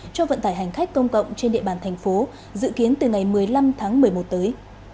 cho vận tải hành khách công cộng trên địa bàn thành phố dự kiến từ ngày một mươi năm tháng một mươi một tới